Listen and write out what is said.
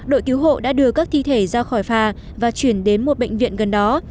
đội cứu hộ đã đưa các thi thể ra khỏi phà và chuyển đến một bệnh viện gần đó